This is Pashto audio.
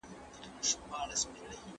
کله باید د یو چا د ښه کار قدرداني وکړو؟